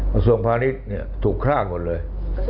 กระทรวงพาณิชย์ถูกฆ่าหมดเลย